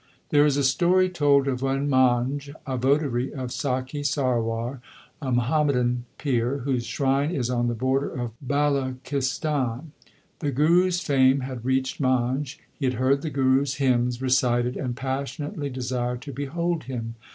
There is a story told of one Manj, a votary of Sakhi Sarwar, a Muhammadan pir, whose shrine is on the border of Balochistan. The Guru s fame had reached Manj ; he had heard the Guru s hymns recited, and passionately desired to behold him.